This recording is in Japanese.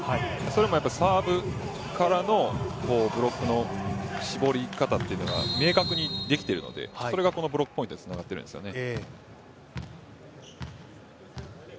それもやっぱりサーブからのブロックの絞り方というのが明確にできているのでそれがこのブロックポイントにつながってるんですよね。